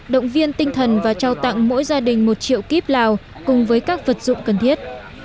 động viên tinh thần và trao tặng mỗi gia đình một triệu kíp lào cùng với các vật dụng cần thiết